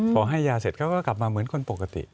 พอให้ยาเสร็จเขาก็กลับมาเหมือนคนปกติ